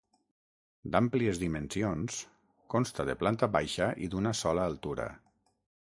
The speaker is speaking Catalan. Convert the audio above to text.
D'àmplies dimensions, consta de planta baixa i d'una sola altura.